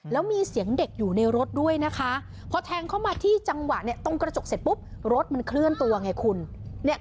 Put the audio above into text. แล้วมีเสียงเด็กอยู่ในรถด้วยนะคะพอแทงเข้ามาที่จังหวะเนี่ยตรงกระจกเสร็จปุ๊บรถมันเคลื่อนตัวไงคุณ